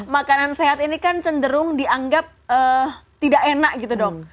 makanan sehat ini kan cenderung dianggap tidak enak gitu dong